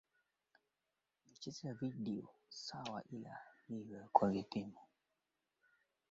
mwigizaji wa filamu tanzania kutoka njia